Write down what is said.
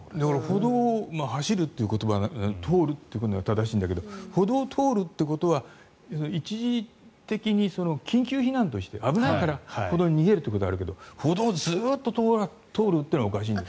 車道を走るっていうことが正しいんだけど歩道を通るということは一時的に緊急避難として危ないから歩道に逃げることはあるけど歩道をずっと通るっていうのはおかしいんです。